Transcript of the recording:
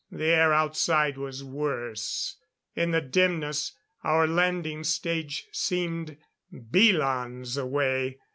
The air outside was worse. In the dimness, our landing stage seemed belans away.